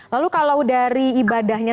lalu kalau dari ibadahnya